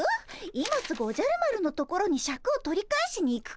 今すぐおじゃる丸のところにシャクを取り返しに行くかい？